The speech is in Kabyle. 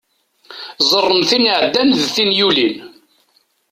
Ẓẓaren tin iɛeddan d tin yulin.